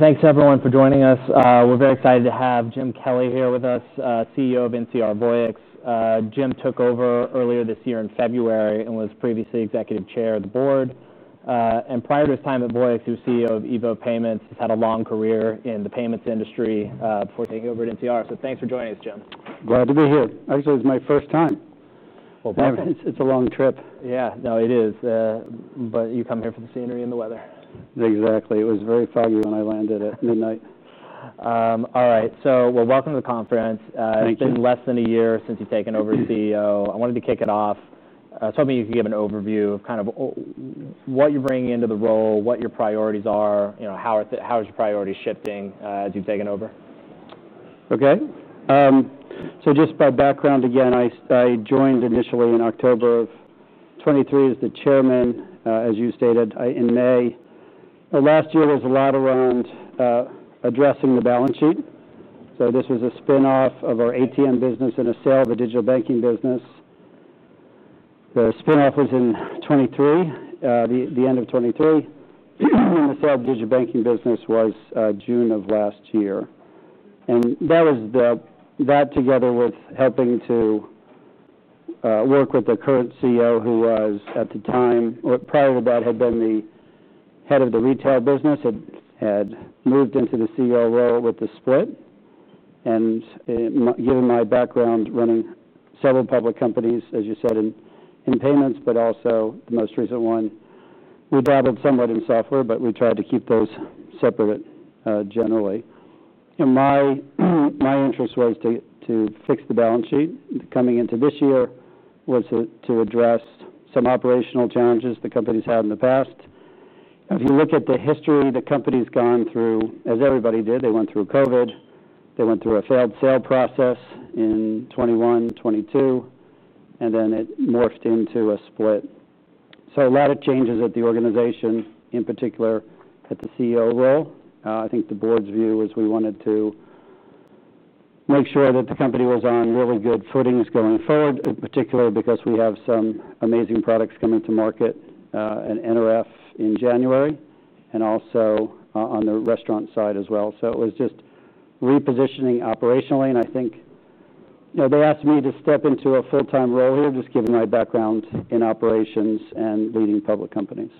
Thanks, everyone, for joining us. We're very excited to have Jim Kelly here with us, CEO of NCR Voyix. Jim took over earlier this year in February and was previously Executive Chair of the Board. Prior to his time at NCR Voyix, he was CEO of EVO Payments. He's had a long career in the payments industry before taking over at NCR. Thanks for joining us, Jim. Glad to be here. Actually, it's my first time. It's a long trip. Yeah, it is. You come here for the scenery and the weather. Exactly. It was very foggy when I landed at midnight. All right. Welcome to the conference. Thank you. It's been less than a year since you've taken over the BO. I wanted to kick it off. I was hoping you could give an overview of what you're bringing into the role, what your priorities are, how are your priorities shifting as you've taken over? Okay. Just by background, again, I joined initially in October of 2023 as the Chairman, as you stated, in May. The last year was a lot around addressing the balance sheet. This was a spin-off of our ATM business and a sale of a digital banking business. The spin-off was in 2023, the end of 2023. The sale of the digital banking business was June of last year. That was that, together with helping to work with the current CEO, who was at the time, or prior to that, had been the head of the retail business, had moved into the CEO role with the split. Given my background running several public companies, as you said, in payments, but also the most recent one, we battled somewhat in software, but we tried to keep those separate generally. My interest was to fix the balance sheet. Coming into this year was to address some operational challenges the company's had in the past. If you look at the history the company's gone through, as everybody did, they went through COVID. They went through a failed sale process in 2021, 2022, and it morphed into a split. A lot of changes at the organization, in particular at the CEO role. I think the board's view was we wanted to make sure that the company was on really good footings going forward, in particular because we have some amazing products coming to market at NRF in January, and also on the restaurant side as well. It was just repositioning operationally. I think they asked me to step into a full-time role here, just given my background in operations and leading public companies.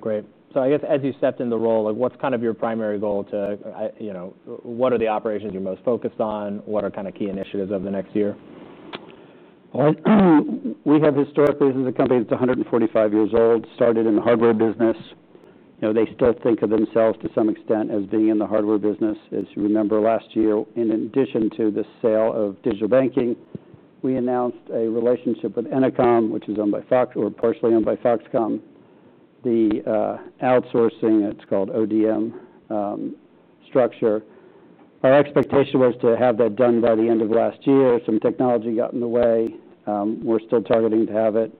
Great. I guess as you stepped in the role, what's kind of your primary goal to, you know, what are the operations you're most focused on? What are kind of key initiatives over the next year? The company is 145 years old, started in the hardware business. They still think of themselves to some extent as being in the hardware business. As you remember, last year, in addition to the sale of Digital-First Banking, we announced a relationship with Enocom, which is partially owned by Foxconn, the outsourcing, it's called ODM structure. Our expectation was to have that done by the end of last year. Some technology got in the way. We're still targeting to have it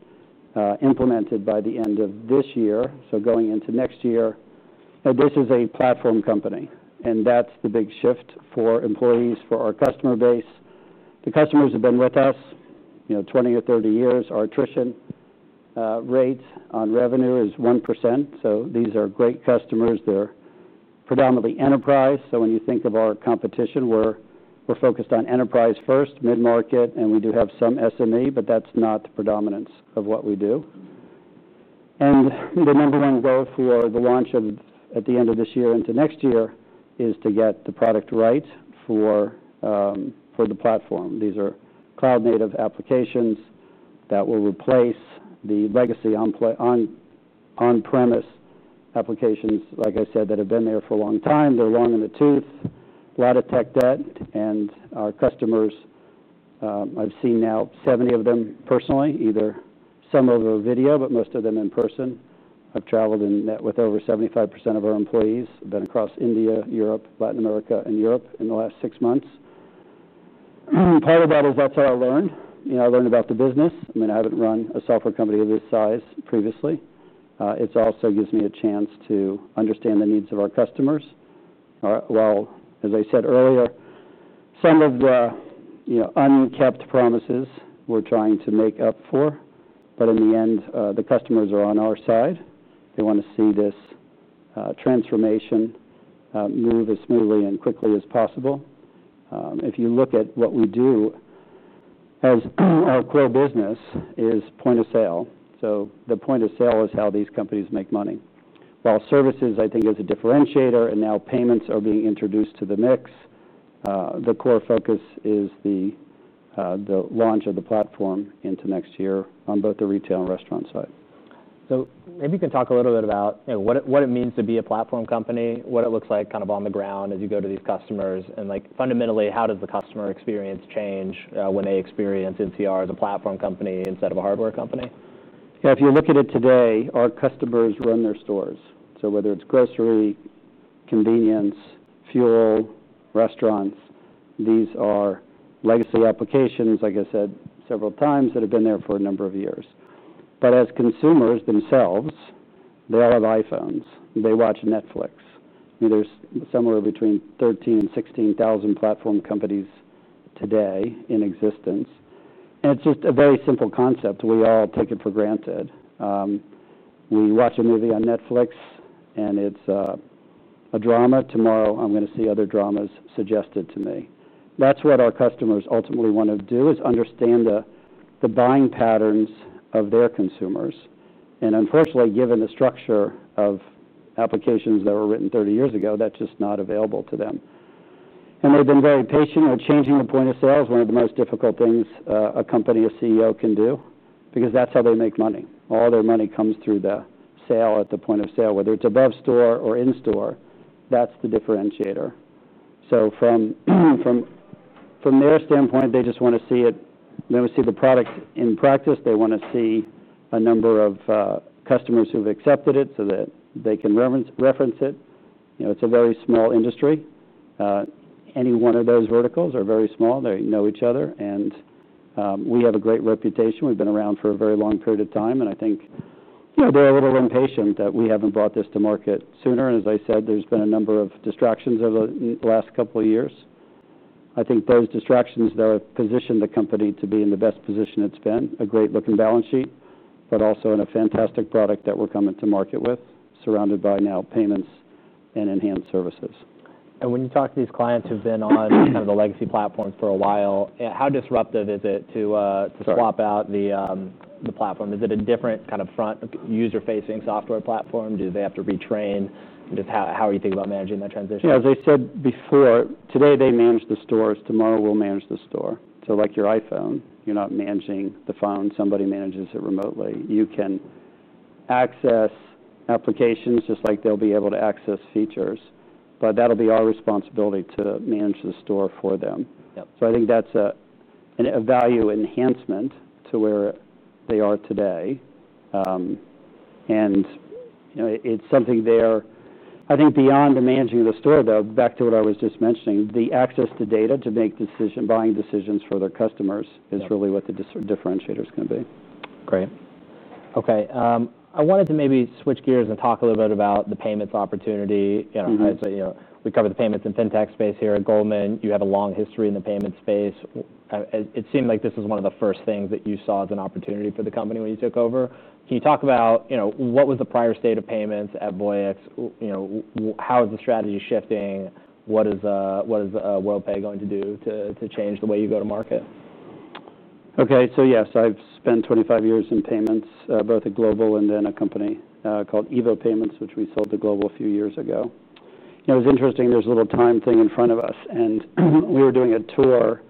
implemented by the end of this year. Going into next year, this is a platform company, and that's the big shift for employees, for our customer base. The customers have been with us 20 or 30 years. Our attrition rate on revenue is 1%. These are great customers. They're predominantly enterprise. When you think of our competition, we're focused on enterprise first, mid-market, and we do have some SME, but that's not the predominance of what we do. The number one goal for the launch at the end of this year into next year is to get the product right for the platform. These are cloud-native applications that will replace the legacy on-premise applications, like I said, that have been there for a long time. They're long in the tooth, a lot of technical debt, and our customers, I've seen now 70 of them personally, either some over video, but most of them in person. I've traveled and met with over 75% of our employees. I've been across India, Europe, Latin America, and Europe in the last six months. Part of that is that's how I learned. I learned about the business. I haven't run a software company of this size previously. It also gives me a chance to understand the needs of our customers. As I said earlier, some of the unkept promises we're trying to make up for. In the end, the customers are on our side. They want to see this transformation move as smoothly and quickly as possible. If you look at what we do as our core business, it is point-of-sale. The point-of-sale is how these companies make money. While services, I think, is a differentiator, and now payments are being introduced to the mix, the core focus is the launch of the platform into next year on both the retail and restaurant side. Maybe you can talk a little bit about what it means to be a platform company, what it looks like kind of on the ground as you go to these customers, and fundamentally, how does the customer experience change when they experience NCR Voyix as a platform company instead of a hardware company? Yeah, if you look at it today, our customers run their stores. Whether it's grocery, convenience, fuel, restaurants, these are legacy applications, like I said several times, that have been there for a number of years. As consumers themselves, they all have iPhones. They watch Netflix. There's somewhere between 13,000 and 16,000 platform companies today in existence. It's just a very simple concept. We all take it for granted. We watch a movie on Netflix and it's a drama. Tomorrow, I'm going to see other dramas suggested to me. That's what our customers ultimately want to do is understand the buying patterns of their consumers. Unfortunately, given the structure of applications that were written 30 years ago, that's just not available to them. They've been very patient. We're changing the point of sale, one of the most difficult things a company, a CEO can do, because that's how they make money. All their money comes through the sale at the point of sale, whether it's above store or in store. That's the differentiator. From their standpoint, they just want to see it. They want to see the product in practice. They want to see a number of customers who've accepted it so that they can reference it. It's a very small industry. Any one of those verticals is very small. They know each other. We have a great reputation. We've been around for a very long period of time. I think they're a little impatient that we haven't brought this to market sooner. As I said, there's been a number of distractions over the last couple of years. I think those distractions have positioned the company to be in the best position it's been, a great looking balance sheet, but also in a fantastic product that we're coming to market with, surrounded by now payments and enhanced services. When you talk to these clients who've been on kind of the legacy platforms for a while, how disruptive is it to swap out the platform? Is it a different kind of front user-facing software platform? Do they have to retrain? Just how are you thinking about managing that transition? Yeah, as I said before, today they manage the stores. Tomorrow we'll manage the store. Like your iPhone, you're not managing the phone. Somebody manages it remotely. You can access applications just like they'll be able to access features. That'll be our responsibility to manage the store for them. I think that's a value enhancement to where they are today. You know, it's something there. I think beyond the managing of the store, though, back to what I was just mentioning, the access to data to make decisions, buying decisions for their customers is really what the differentiator is going to be. Great. Okay. I wanted to maybe switch gears and talk a little bit about the payments opportunity. You know, we covered the payments and fintech space here at Goldman. You have a long history in the payments space. It seemed like this was one of the first things that you saw as an opportunity for the company when you took over. Can you talk about what was the prior state of payments at NCR Voyix? How is the strategy shifting? What is Worldpay going to do to change the way you go to market? Okay, so yes, I've spent 25 years in payments, both at Global and then a company called EVO Payments, which we sold to Global a few years ago. It was interesting. There's a little time thing in front of us, and we were doing a tour.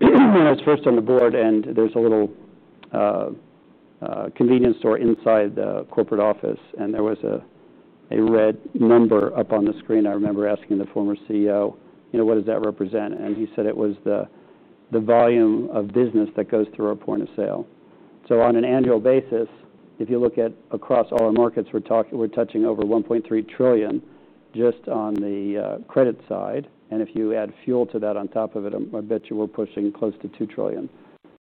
I was first on the board, and there's a little convenience store inside the corporate office, and there was a red number up on the screen. I remember asking the former CEO, you know, what does that represent? He said it was the volume of business that goes through our point-of-sale. On an annual basis, if you look across all our markets, we're touching over $1.3 trillion just on the credit side. If you add fuel to that on top of it, I bet you we're pushing close to $2 trillion.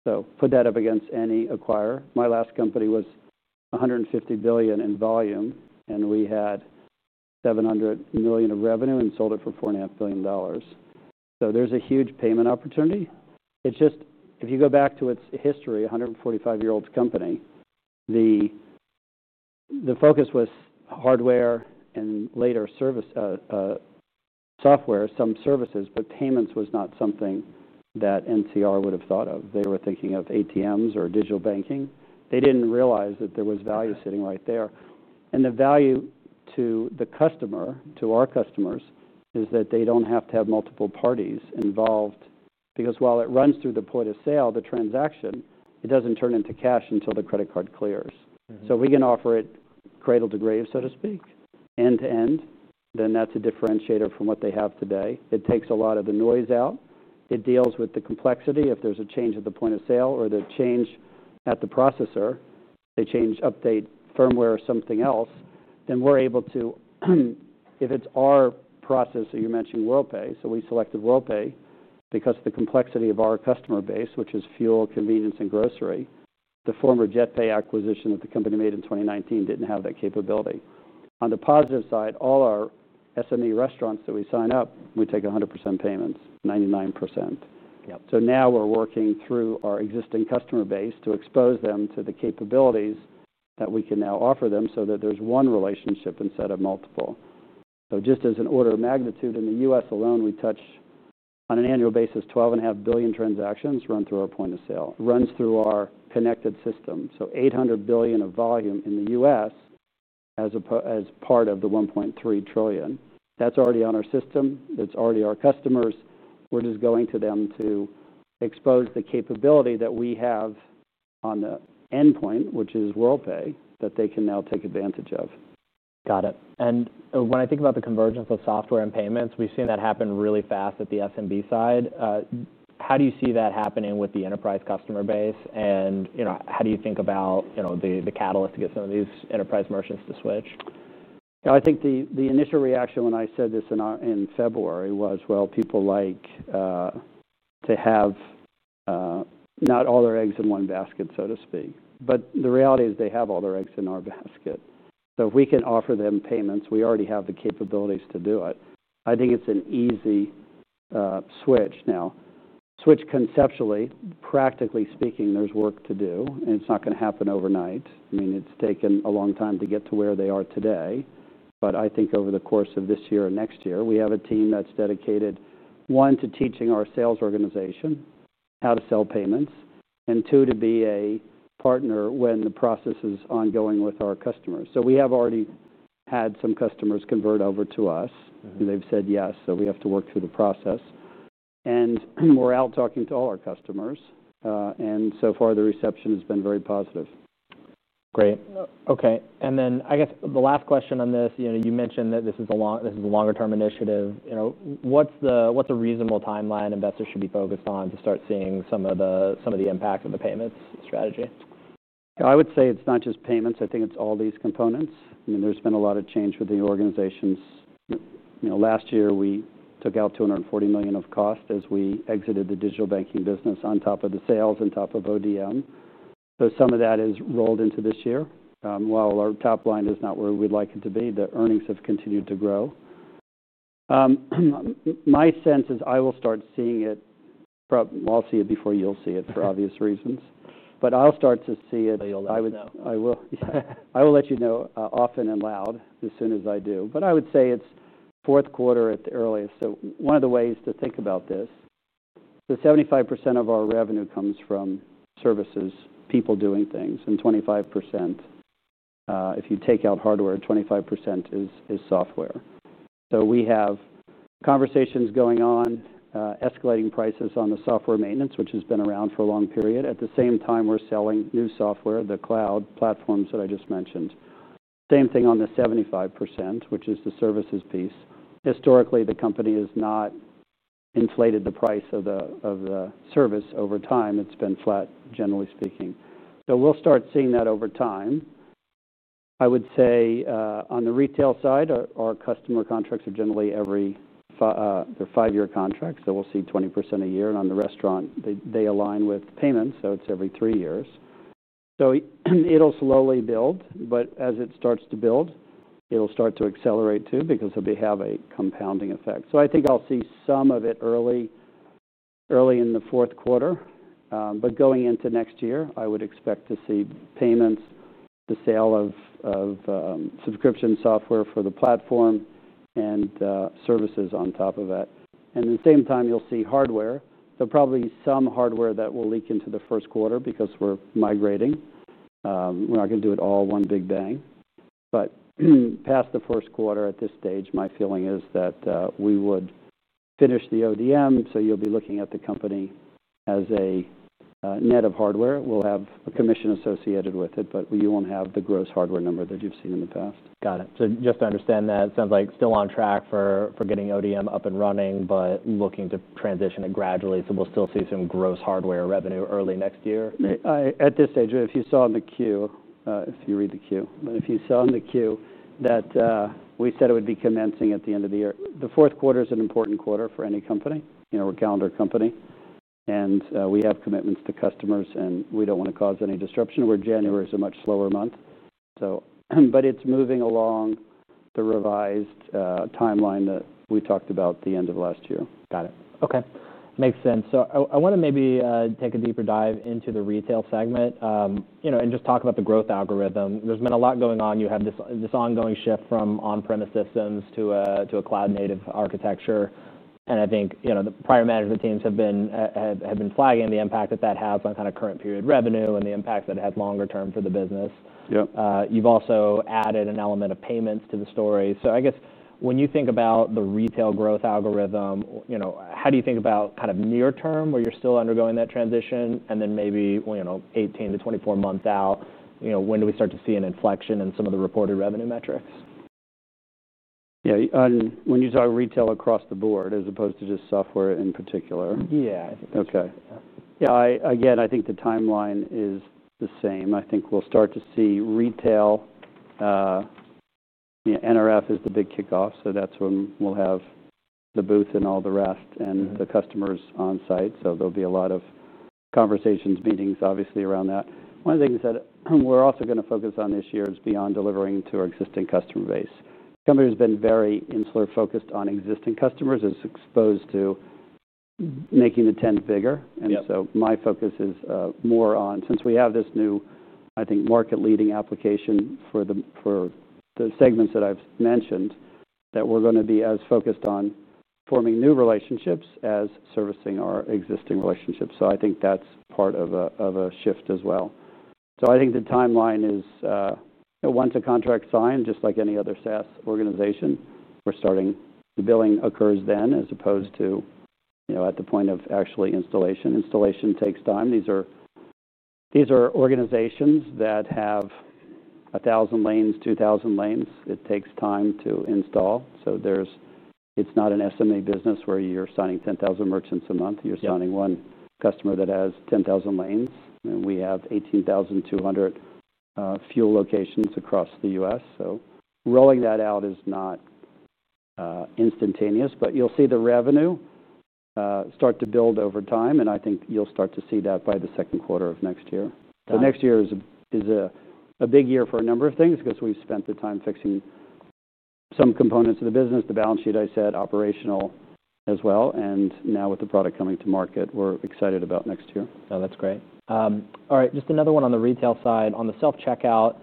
Put that up against any acquirer. My last company was $150 billion in volume, and we had $700 million of revenue and sold it for $4.5 billion. There's a huge payment opportunity. If you go back to its history, a 145-year-old company, the focus was hardware and later software, some services, but payments was not something that NCR Voyix would have thought of. They were thinking of ATMs or digital banking. They didn't realize that there was value sitting right there. The value to the customer, to our customers, is that they don't have to have multiple parties involved. While it runs through the point-of-sale, the transaction doesn't turn into cash until the credit card clears. If we can offer it cradle to grave, so to speak, end to end, then that's a differentiator from what they have today. It takes a lot of the noise out. It deals with the complexity. If there's a change at the point-of-sale or the change at the processor, they change, update firmware or something else, then we're able to, if it's our processor, you mentioned Worldpay. We selected Worldpay because of the complexity of our customer base, which is fuel, convenience, and grocery. The former JetPay acquisition that the company made in 2019 didn't have that capability. On the positive side, all our SME restaurants that we sign up, we take 100% payments, 99%. Now we're working through our existing customer base to expose them to the capabilities that we can now offer them so that there's one relationship instead of multiple. Just as an order of magnitude, in the U.S. alone, we touch on an annual basis, 12.5 billion transactions run through our point-of-sale, runs through our connected system. $800 billion of volume in the U.S. as part of the $1.3 trillion. That's already on our system. That's already our customers. We're just going to them to expose the capability that we have on the endpoint, which is Worldpay, that they can now take advantage of. Got it. When I think about the convergence of software and payments, we've seen that happen really fast at the SMB side. How do you see that happening with the enterprise customer base? How do you think about the catalyst to get some of these enterprise merchants to switch? I think the initial reaction when I said this in February was, people like to have not all their eggs in one basket, so to speak. The reality is they have all their eggs in our basket. If we can offer them payments, we already have the capabilities to do it. I think it's an easy switch. Now, switch conceptually, practically speaking, there's work to do. It's not going to happen overnight. It's taken a long time to get to where they are today. I think over the course of this year or next year, we have a team that's dedicated, one, to teaching our sales organization how to sell payments, and two, to be a partner when the process is ongoing with our customers. We have already had some customers convert over to us. They've said yes. We have to work through the process. We're out talking to all our customers. So far, the reception has been very positive. Great. Okay. I guess the last question on this, you mentioned that this is the longer-term initiative. What's the reasonable timeline investors should be focused on to start seeing some of the impact of the payments strategy? I would say it's not just payments. I think it's all these components. There's been a lot of change with the organizations. Last year we took out $240 million of cost as we exited the digital banking business on top of the sales and on top of ODM. Some of that is rolled into this year. While our top line is not where we'd like it to be, the earnings have continued to grow. My sense is I will start seeing it. I'll see it before you'll see it for obvious reasons. I will start to see it. You'll let us know. I will let you know often and loud as soon as I do. I would say it's fourth quarter at the earliest. One of the ways to think about this, 75% of our revenue comes from services, people doing things, and 25%, if you take out hardware, 25% is software. We have conversations going on, escalating prices on the software maintenance, which has been around for a long period. At the same time, we're selling new software, the cloud platforms that I just mentioned. Same thing on the 75%, which is the services piece. Historically, the company has not inflated the price of the service over time. It's been flat, generally speaking. We'll start seeing that over time. I would say on the retail side, our customer contracts are generally every, they're five-year contracts. We'll see 20% a year. On the restaurant, they align with payments. It's every three years. It'll slowly build. As it starts to build, it'll start to accelerate too, because they have a compounding effect. I think I'll see some of it early, early in the fourth quarter. Going into next year, I would expect to see payments, the sale of subscription software for the platform, and services on top of that. At the same time, you'll see hardware. There'll probably be some hardware that will leak into the first quarter because we're migrating. We're not going to do it all one big bang. Past the first quarter at this stage, my feeling is that we would finish the ODM. You'll be looking at the company as a net of hardware. We'll have a commission associated with it, but you won't have the gross hardware number that you've seen in the past. Got it. Just to understand that, it sounds like still on track for getting ODM up and running, but looking to transition it gradually. We'll still see some gross hardware revenue early next year? At this stage, if you saw in the queue, if you read the queue, if you saw in the queue that we said it would be commencing at the end of the year, the fourth quarter is an important quarter for any company. You know, we're a calendar company and we have commitments to customers and we don't want to cause any disruption. January is a much slower month. It's moving along the revised timeline that we talked about at the end of last year. Got it. Okay. Makes sense. I want to maybe take a deeper dive into the retail segment, you know, and just talk about the growth algorithm. There's been a lot going on. You have this ongoing shift from on-premise systems to a cloud-native architecture. I think the prior management teams have been flagging the impact that that has on kind of current period revenue and the impact that it has longer term for the business. Yep. You've also added an element of payments to the story. When you think about the retail growth algorithm, how do you think about kind of near term where you're still undergoing that transition and then maybe 18 to 24 months out, when do we start to see an inflection in some of the reported revenue metrics? Yeah, when you talk retail across the board as opposed to just software in particular. Yeah, I think that's okay. Yeah, again, I think the timeline is the same. I think we'll start to see retail, you know, NRF is the big kickoff. That's when we'll have the booth and all the rest and the customers on site. There will be a lot of conversations, meetings, obviously around that. One of the things that we're also going to focus on this year is beyond delivering to our existing customer base. The company has been very insular, focused on existing customers as opposed to making the tent bigger. My focus is more on, since we have this new, I think, market leading application for the segments that I've mentioned, that we're going to be as focused on forming new relationships as servicing our existing relationships. I think that's part of a shift as well. I think the timeline is, you know, once a contract is signed, just like any other SaaS organization, we're starting, the billing occurs then as opposed to at the point of actual installation. Installation takes time. These are organizations that have a thousand lanes, two thousand lanes. It takes time to install. It's not an SME business where you're signing 10,000 merchants a month. You're signing one customer that has 10,000 lanes. We have 18,200 fuel locations across the U.S. Rolling that out is not instantaneous, but you'll see the revenue start to build over time. I think you'll start to see that by the second quarter of next year. Next year is a big year for a number of things because we've spent the time fixing some components of the business, the balance sheet, I said, operational as well. Now with the product coming to market, we're excited about next year. That's great. All right. Just another one on the retail side, on the self-checkout.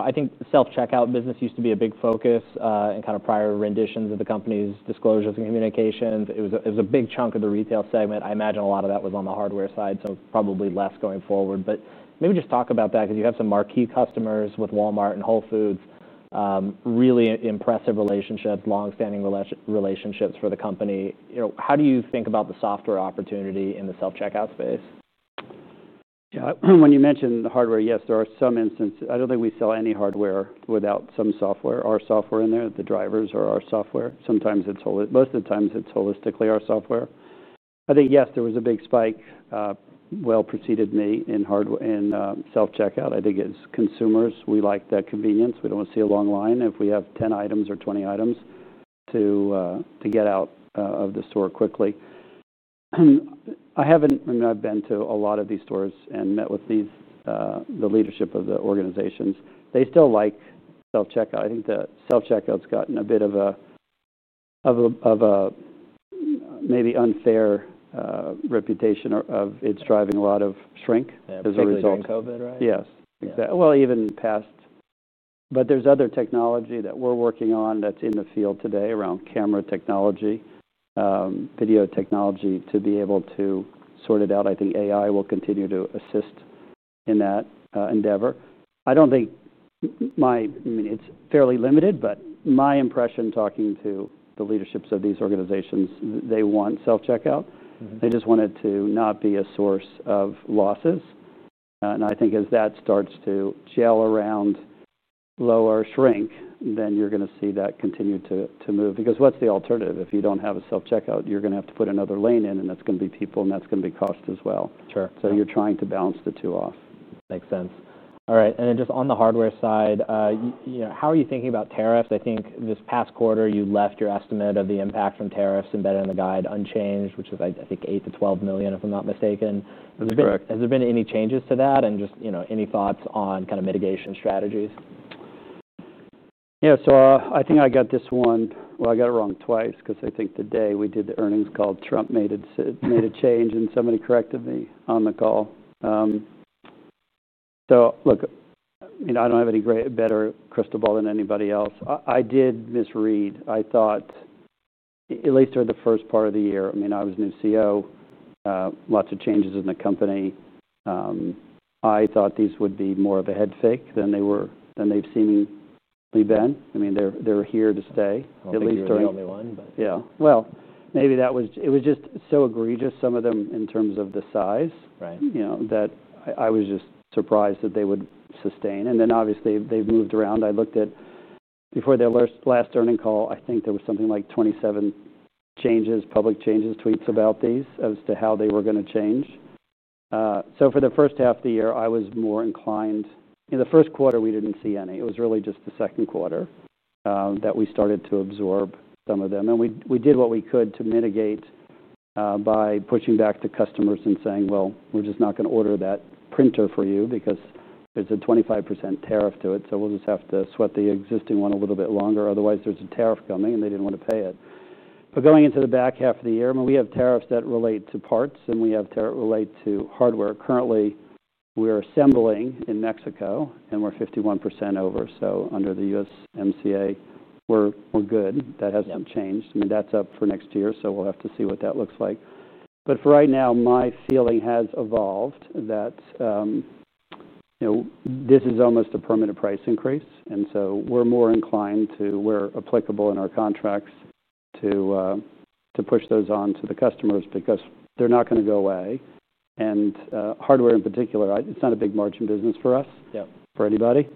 I think self-checkout business used to be a big focus in kind of prior renditions of the company's disclosures and communications. It was a big chunk of the retail segment. I imagine a lot of that was on the hardware side, so probably less going forward. Maybe just talk about that because you have some marquee customers with Walmart and Whole Foods. Really impressive relationships, longstanding relationships for the company. How do you think about the software opportunity in the self-checkout space? Yeah, when you mentioned the hardware, yes, there are some instances. I don't think we sell any hardware without some software. Our software in there, the drivers are our software. Sometimes it's holistic, most of the time it's holistically our software. I think, yes, there was a big spike, well preceded me in self-checkout. I think as consumers, we like that convenience. We don't want to see a long line if we have 10 items or 20 items to get out of the store quickly. I haven't, I mean, I've been to a lot of these stores and met with the leadership of the organizations. They still like self-checkout. I think the self-checkout has gotten a bit of a maybe unfair reputation of it's driving a lot of shrink. As a result of COVID, right? Yes, exactly. There is other technology that we're working on that's in the field today around camera technology, video technology to be able to sort it out. I think AI will continue to assist in that endeavor. My impression talking to the leaderships of these organizations is they want self-checkout. They just want it to not be a source of losses. I think as that starts to gel around lower shrink, you're going to see that continue to move. Because what's the alternative? If you don't have a self-checkout, you're going to have to put another lane in and that's going to be people and that's going to be cost as well. Sure. You're trying to balance the two off. Makes sense. All right. On the hardware side, how are you thinking about tariffs? I think this past quarter you left your estimate of the impact from tariffs embedded in the guide unchanged, which was $8 million to $12 million, if I'm not mistaken. That's correct. Has there been any changes to that, and just, you know, any thoughts on kind of mitigation strategies? I think I got this one. I got it wrong twice because I think the day we did the earnings call, Trump made a change and somebody corrected me on the call. Look, you know, I don't have any great better crystal ball than anybody else. I did misread. I thought at least during the first part of the year, I mean, I was new CEO, lots of changes in the company. I thought these would be more of a head fake than they've seemed to be been. I mean, they're here to stay. I don't think they're the only one. Maybe that was, it was just so egregious, some of them in terms of the size, you know, that I was just surprised that they would sustain. Obviously they've moved around. I looked at before their last earnings call, I think there was something like 27 changes, public changes, tweets about these as to how they were going to change. For the first half of the year, I was more inclined. In the first quarter, we didn't see any. It was really just the second quarter that we started to absorb some of them. We did what we could to mitigate by pushing back to customers and saying, we're just not going to order that printer for you because there's a 25% tariff to it. We'll just have to sweat the existing one a little bit longer. Otherwise, there's a tariff coming and they didn't want to pay it. Going into the back half of the year, we have tariffs that relate to parts and we have tariffs that relate to hardware. Currently, we're assembling in Mexico and we're 51% over. Under the USMCA, we're good. That hasn't changed. That's up for next year. We'll have to see what that looks like. For right now, my feeling has evolved that this is almost a permanent price increase. We're more inclined to, where applicable in our contracts, to push those on to the customers because they're not going to go away. Hardware in particular, it's not a big margin business for us, for anybody.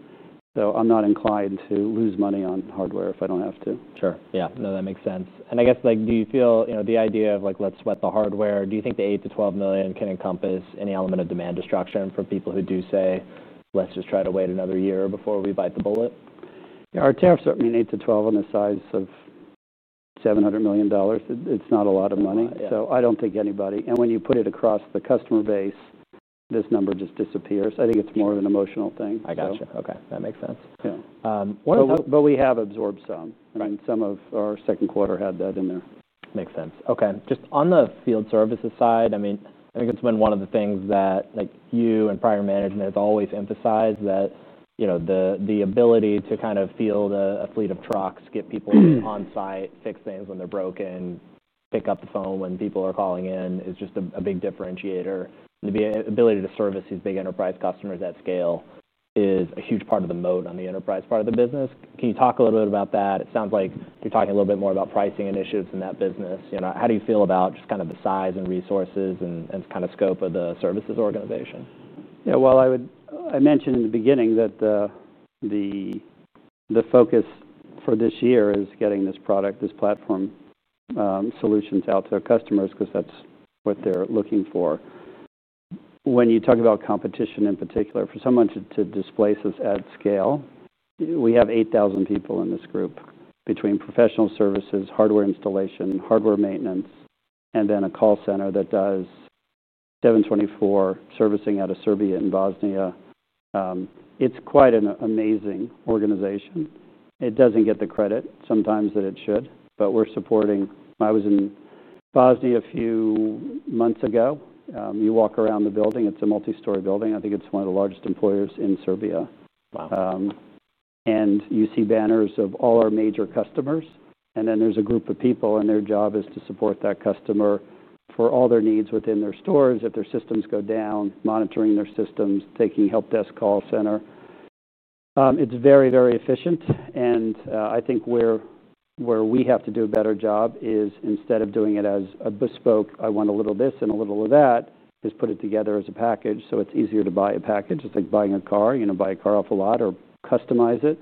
I'm not inclined to lose money on hardware if I don't have to. Sure. Yeah, that makes sense. I guess, do you feel the idea of, let's sweat the hardware? Do you think the $8 to $12 million can encompass any element of demand destruction for people who do say, let's just try to wait another year before we bite the bullet? Yeah, our tariffs are 8% to 12% in the size of $700 million. It's not a lot of money. I don't think anybody, and when you put it across the customer base, this number just disappears. I think it's more of an emotional thing. I got you. Okay. That makes sense. We have absorbed some. I mean, some of our second quarter had that in there. Makes sense. Okay. Just on the field services side, I think it's been one of the things that you and prior management have always emphasized, that the ability to field a fleet of trucks, get people on site, fix things when they're broken, pick up the phone when people are calling in, is just a big differentiator. The ability to service these big enterprise customers at scale is a huge part of the moat on the enterprise part of the business. Can you talk a little bit about that? It sounds like you're talking a little bit more about pricing initiatives in that business. How do you feel about just the size and resources and scope of the services organization? I mentioned in the beginning that the focus for this year is getting this product, this platform, solutions out to customers because that's what they're looking for. When you talk about competition in particular, for someone to displace us at scale, we have 8,000 people in this group between professional services, hardware installation, hardware maintenance, and then a call center that does 7/24 servicing out of Serbia and Bosnia. It's quite an amazing organization. It doesn't get the credit sometimes that it should, but we're supporting, I was in Bosnia a few months ago. You walk around the building, it's a multi-story building. I think it's one of the largest employers in Serbia. Wow. You see banners of all our major customers. There's a group of people and their job is to support that customer for all their needs within their stores. If their systems go down, monitoring their systems, taking help desk call center. It's very, very efficient. I think where we have to do a better job is instead of doing it as a bespoke, I want a little of this and a little of that, is put it together as a package so it's easier to buy a package. It's like buying a car, you know, buy a car off a lot or customize it.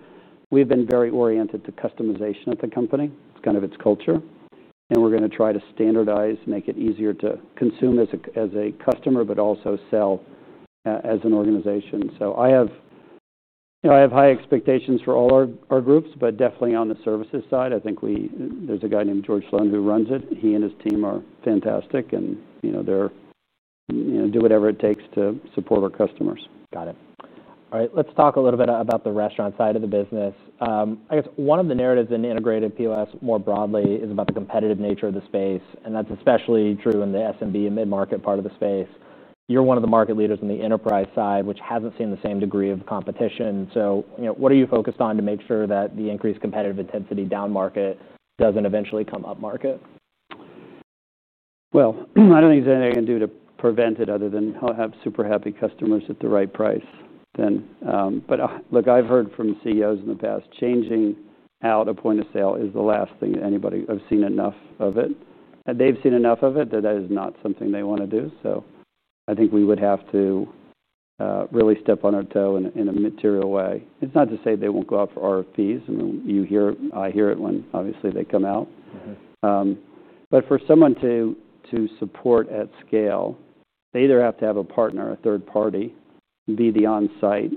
We've been very oriented to customization of the company. It's kind of its culture. We're going to try to standardize, make it easier to consume as a customer, but also sell as an organization. I have high expectations for all our groups, but definitely on the services side, I think we, there's a guy named George Sloan who runs it. He and his team are fantastic and, you know, they do whatever it takes to support our customers. Got it. All right. Let's talk a little bit about the restaurant side of the business. I guess one of the narratives in integrated POS more broadly is about the competitive nature of the space. That's especially true in the SMB and mid-market part of the space. You're one of the market leaders in the enterprise side, which hasn't seen the same degree of competition. What are you focused on to make sure that the increased competitive intensity down market doesn't eventually come up market? I don't think there's anything I can do to prevent it other than I'll have super happy customers at the right price then. Look, I've heard from CEOs in the past, changing out a point-of-sale is the last thing anybody, I've seen enough of it. They've seen enough of it that that is not something they want to do. I think we would have to really step on our toe in a material way. It's not to say they won't go up for RFPs. I mean, you hear it, I hear it when obviously they come out. For someone to support at scale, they either have to have a partner, a third party, be the onsite.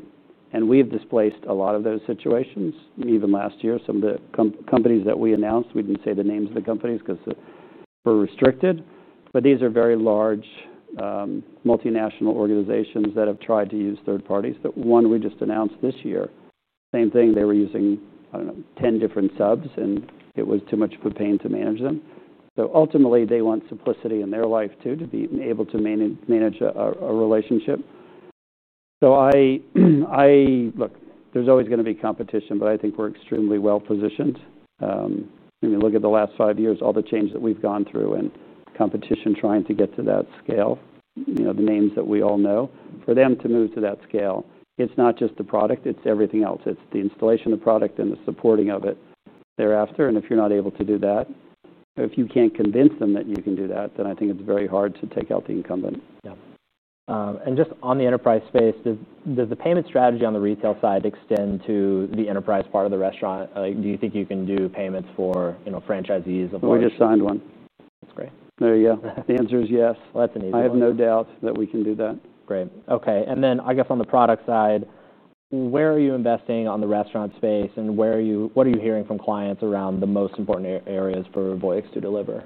We've displaced a lot of those situations. Even last year, some of the companies that we announced, we didn't say the names of the companies because we're restricted. These are very large multinational organizations that have tried to use third parties. One we just announced this year, same thing, they were using, I don't know, 10 different subs and it was too much of a pain to manage them. Ultimately, they want simplicity in their life too, to be able to manage a relationship. Look, there's always going to be competition, but I think we're extremely well positioned. Look at the last five years, all the change that we've gone through and competition trying to get to that scale, you know, the names that we all know. For them to move to that scale, it's not just the product, it's everything else. It's the installation of the product and the supporting of it thereafter. If you're not able to do that, or if you can't convince them that you can do that, then I think it's very hard to take out the incumbent. Yeah. Just on the enterprise space, does the payment strategy on the retail side extend to the enterprise part of the restaurant? Do you think you can do payments for, you know, franchisees? We just signed one. That's great. There you go. The answer is yes. That's an easy one. I have no doubt that we can do that. Great. Okay. I guess on the product side, where are you investing on the restaurant space, and what are you hearing from clients around the most important areas for Voyix to deliver?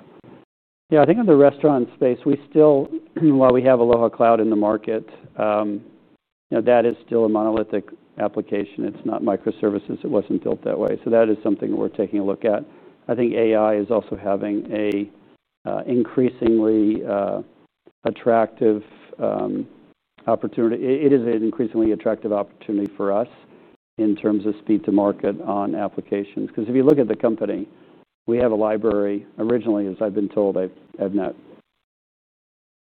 Yeah, I think on the restaurant space, we still, while we have Aloha Cloud in the market, that is still a monolithic application. It's not microservices. It wasn't built that way. That is something we're taking a look at. I think AI is also having an increasingly attractive opportunity. It is an increasingly attractive opportunity for us in terms of speed to market on applications. Because if you look at the company, we have a library. Originally, as I've been told, I've not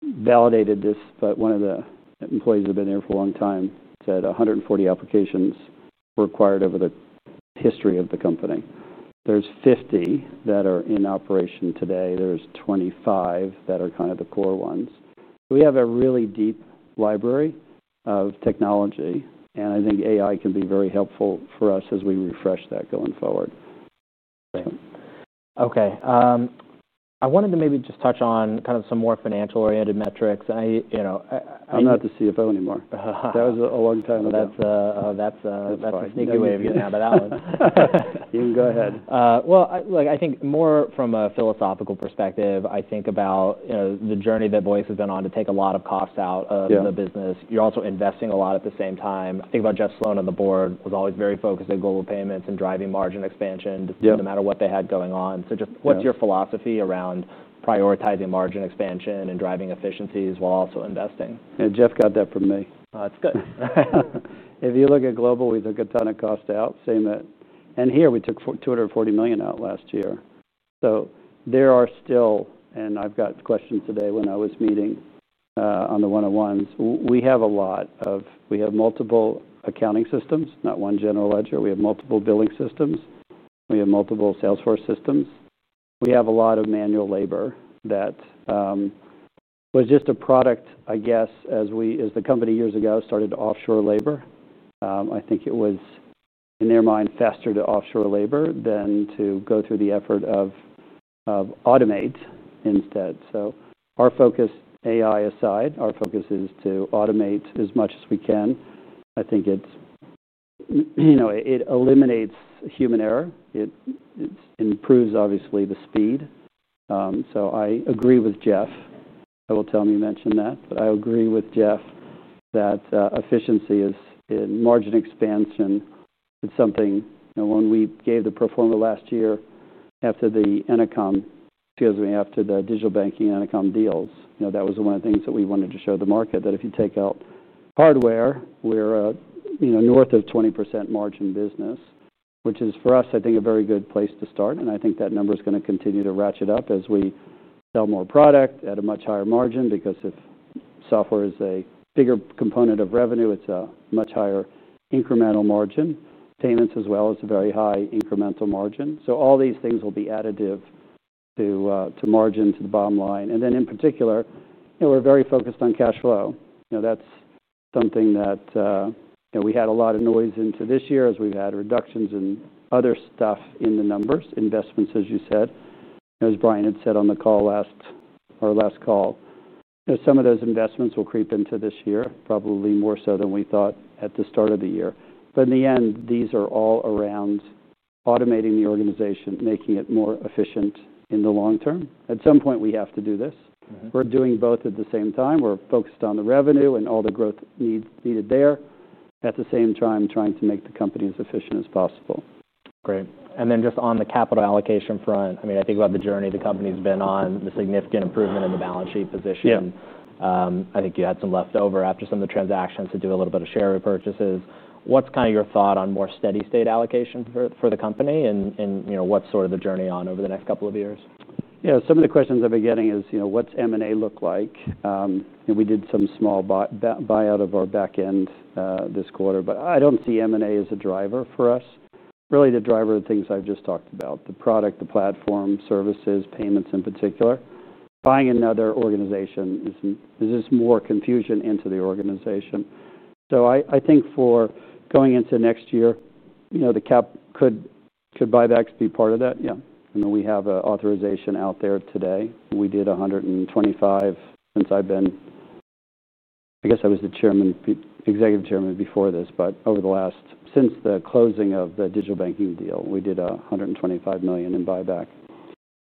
validated this, but one of the employees that have been there for a long time said 140 applications were acquired over the history of the company. There's 50 that are in operation today. There's 25 that are kind of the core ones. We have a really deep library of technology. I think AI can be very helpful for us as we refresh that going forward. Okay, I wanted to maybe just touch on kind of some more financial-oriented metrics. I'm not the CFO anymore. That was a long time ago. That's a sneaky way of getting out of that. You can go ahead. I think more from a philosophical perspective, I think about the journey that NCR Voyix has been on to take a lot of costs out of the business. You're also investing a lot at the same time. I think about Jeff Sloan on the board was always very focused on global payments and driving margin expansion no matter what they had going on. Just what's your philosophy around prioritizing margin expansion and driving efficiencies while also investing? Yeah, Jeff got that from me. That's good. If you look at global, we took a ton of cost out. Same at, and here we took $240 million out last year. There are still, and I've got questions today when I was meeting on the one-on-ones. We have a lot of, we have multiple accounting systems, not one general ledger. We have multiple billing systems. We have multiple Salesforce systems. We have a lot of manual labor that was just a product, I guess, as the company years ago started to offshore labor. I think it was, in their mind, faster to offshore labor than to go through the effort of automate instead. Our focus, AI aside, is to automate as much as we can. I think it eliminates human error. It improves, obviously, the speed. I agree with Jeff. I will tell him you mentioned that, but I agree with Jeff that efficiency is in margin expansion. It's something, you know, when we gave the pro forma last year after the Enocom, excuse me, after the Digital-First Banking Enocom deals, that was one of the things that we wanted to show the market, that if you take out hardware, we're north of 20% margin business, which is for us, I think, a very good place to start. I think that number is going to continue to ratchet up as we sell more product at a much higher margin because if software is a bigger component of revenue, it's a much higher incremental margin. Payments as well is a very high incremental margin. All these things will be additive to margin to the bottom line. In particular, we're very focused on cash flow. That's something that, you know, we had a lot of noise into this year as we've had reductions in other stuff in the numbers, investments, as you said. As Brian had said on the call last, our last call, some of those investments will creep into this year, probably more so than we thought at the start of the year. In the end, these are all around automating the organization, making it more efficient in the long term. At some point, we have to do this. We're doing both at the same time. We're focused on the revenue and all the growth needed there. At the same time, trying to make the company as efficient as possible. Great. On the capital allocation front, I think about the journey the company's been on, the significant improvement in the balance sheet position. I think you had some leftover after some of the transactions to do a little bit of share repurchases. What's your thought on more steady state allocation for the company, and what's the journey over the next couple of years? Some of the questions I've been getting are, what's M&A look like? We did some small buyout of our backend this quarter, but I don't see M&A as a driver for us. Really, the driver are things I've just talked about: the product, the platform, services, payments in particular. Buying another organization is just more confusion into the organization. I think for going into next year, the cap could buy back to be part of that. We have an authorization out there today. We did $125 million since I've been, I guess I was the Chairman, Executive Chairman before this, but over the last, since the closing of the Digital-First Banking deal, we did $125 million in buyback.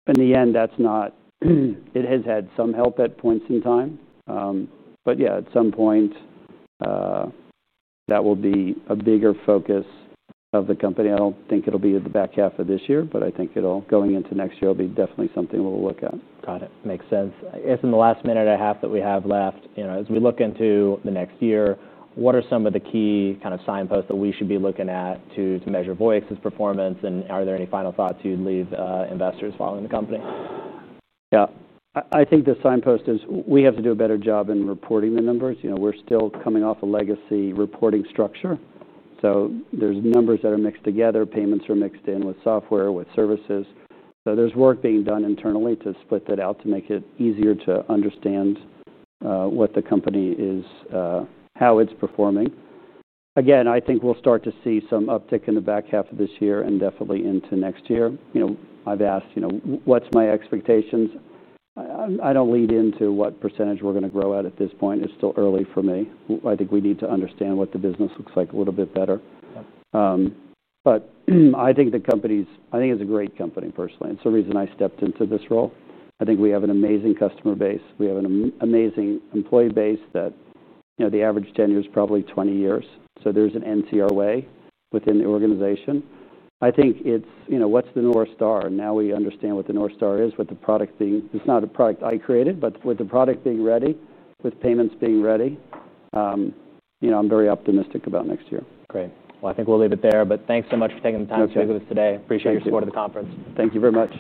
In the end, that's not, it has had some help at points in time. At some point, that will be a bigger focus of the company. I don't think it'll be the back half of this year, but I think going into next year, it'll be definitely something we'll look at. Got it. Makes sense. I guess in the last minute and a half that we have left, as we look into the next year, what are some of the key kind of signposts that we should be looking at to measure NCR Voyix's performance? Are there any final thoughts you'd leave investors following the company? Yeah. I think the signpost is we have to do a better job in reporting the numbers. We're still coming off a legacy reporting structure, so there's numbers that are mixed together. Payments are mixed in with software, with services. There's work being done internally to split that out to make it easier to understand what the company is, how it's performing. I think we'll start to see some uptick in the back half of this year and definitely into next year. I've asked what's my expectations. I don't lead into what % we're going to grow at at this point. It's still early for me. I think we need to understand what the business looks like a little bit better. I think the company's, I think it's a great company personally. It's the reason I stepped into this role. I think we have an amazing customer base. We have an amazing employee base that, you know, the average tenure is probably 20 years. There's an NCRA within the organization. I think it's, you know, what's the North Star? Now we understand what the North Star is with the product being, it's not a product I created, but with the product being ready, with payments being ready, I'm very optimistic about next year. Great. I think we'll leave it there, but thanks so much for taking the time to speak with us today. Appreciate your support of the conference. Thank you very much.